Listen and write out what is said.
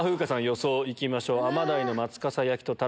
予想いきましょう。